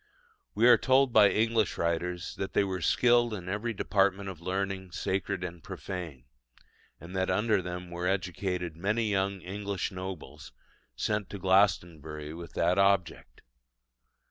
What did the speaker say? We are told by English writers that "they were skilled in every department of learning sacred and profane"; and that under them were educated many young English nobles, sent to Glastonbury with that object.